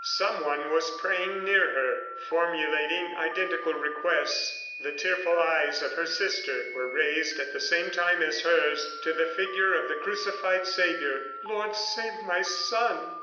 Someone was praying near her, formulating identical requests. The tearful eyes of her sister were raised at the same time as hers to the figure of the crucified Savior. "Lord, save my son!"